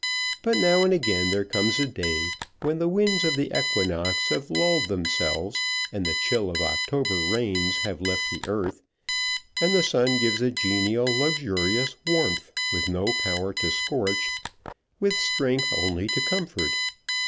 But now and again there comes a day, when the winds of the equinox have lulled themselves, and the chill of October rains have left the earth, and the sun gives a genial, luxurious warmth, with no power to scorch, with strength only to comfort.